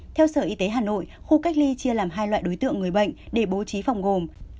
theo sở y tế hà nội khu cách ly chia làm hai loại đối tượng người bệnh để bố trí phòng gồm